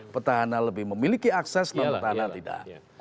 petahana lebih memiliki akses non petahana tidak